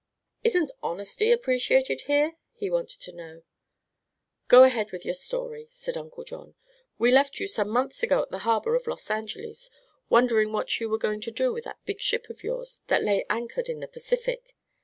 "Isn't honesty appreciated here?" he wanted to know. "Go ahead with your story," said Uncle John. "We left you some months ago at the harbor of Los Angeles, wondering what you were going to do with that big ship of yours that lay anchored in the Pacific.